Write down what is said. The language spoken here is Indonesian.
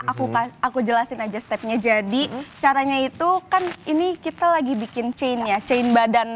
aku aku jelasin aja stepnya jadi caranya itu kan ini kita lagi bikin chain ya chain badan